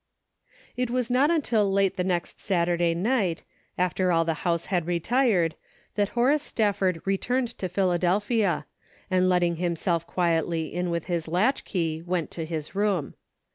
It was not until late the next Saturday night, after all the house had retired, that Horace Stafford returned to Philadelphia, and letting himself quietly in with his latchkey, went to his room.